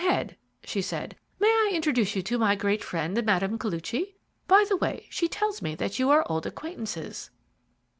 Head," she said, "may I introduce you to my great friend, Mme. Koluchy? By the way, she tells me that you are old acquaintances."